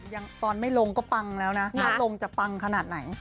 ตอนไม่ลงก็ปังแล้วนะถ้าลงจะปังขนาดไหน